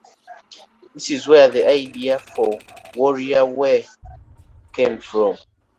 This is where the idea for "Wario Ware" came from.